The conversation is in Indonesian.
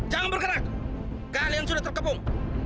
jangan bergerak kalian sudah terkepung